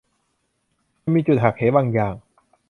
จะมีจุดหักเหบางอย่าง